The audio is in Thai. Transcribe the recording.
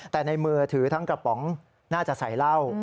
แต่ในมือถือทั้งกระป๋องน่าจะใส่เหล้า